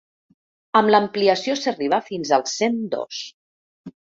Amb l’ampliació s’arriba fins als cent dos.